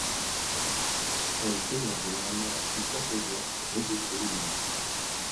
Elle génère généralement la plus forte audience des réseaux de télévision.